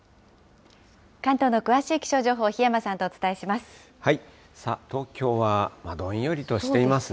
関東の詳しい気象情報、檜山さんとお伝えします。